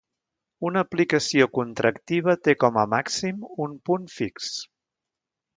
Una aplicació contractiva té, com a màxim, un punt fix.